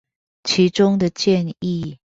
其中的建議